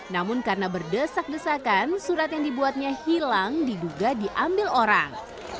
namun karena berdesak desakan surat yang dibuatnya hilang diduga diambil orang